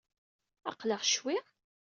Aql-aɣ ccwi.